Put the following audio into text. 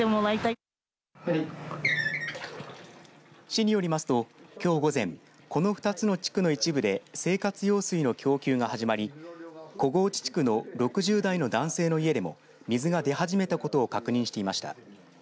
市によりますときょう午前この２つの地区の一部で生活用水の供給が始まり小河内地区の６０代の男性の家でも水が出始めたことを確認していました。